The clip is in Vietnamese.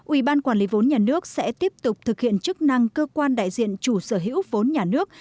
ủy ban quản lý vốn nhà nước sẽ tiếp tục thực hiện chức năng cơ quan đại diện chủ sở hữu vốn nhà nước